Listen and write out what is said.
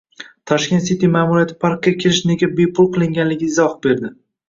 Tashkent City ma’muriyati parkka kirish nega bepul qilinganiga izoh berdi